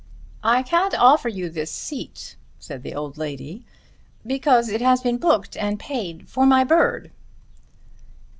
"I can't offer you this seat," said the old lady, "because it has been booked and paid for for my bird."